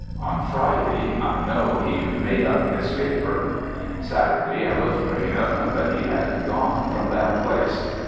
On Friday, I know he "made up" his paper. Saturday I looked for him, but he had gone from that place.